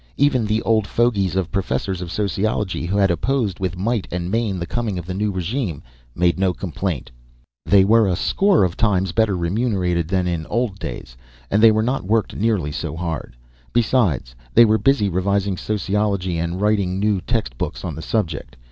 Even the old fogies of professors of sociology, who had opposed with might and main the coming of the new regime, made no complaint. They were a score of times better remunerated than in the old days, and they were not worked nearly so hard. Besides, they were busy revising sociology and writing new text books on the subject.